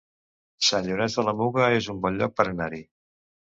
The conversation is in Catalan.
Sant Llorenç de la Muga es un bon lloc per anar-hi